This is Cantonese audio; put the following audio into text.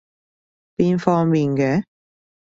邊方面嘅？